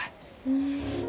うん。